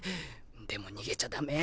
でも逃げちゃダメ。